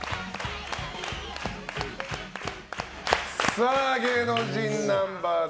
さあ、芸能人ナンバーズ。